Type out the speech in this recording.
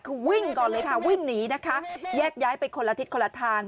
คือวิ่งก่อนเลยค่ะวิ่งหนีนะคะแยกย้ายไปคนละทิศคนละทาง